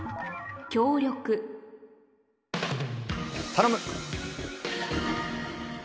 頼む！